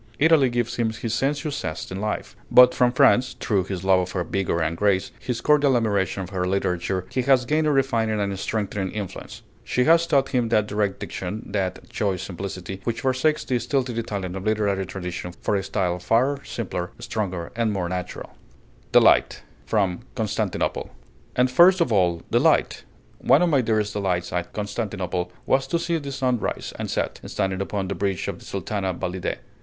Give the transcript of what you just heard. Italy gives him his sensuous zest in life. But from France, through his love of her vigor and grace, his cordial admiration of her literature, he has gained a refining and strengthening influence. She has taught him that direct diction, that choice simplicity, which forsakes the stilted Italian of literary tradition for a style far simpler, stronger, and more natural. All selections used by permission of G. P. Putnam's Sons. THE LIGHT From 'Constantinople' And first of all, the light! One of my dearest delights at Constantinople was to see the sun rise and set, standing upon the bridge of the Sultana Validé.